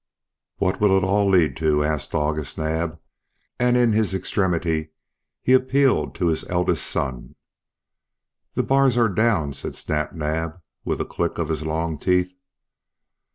"What will it all lead to?" asked August Naab, and in his extremity he appealed to his eldest son. "The bars are down," said Snap Naab, with a click of his long teeth.